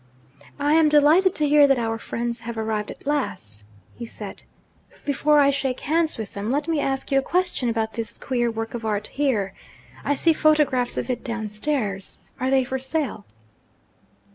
'I am delighted to hear that our friends have arrived at last,' he said. 'Before I shake hands with them, let me ask you a question about this queer work of art here. I see photographs of it downstairs. Are they for sale?'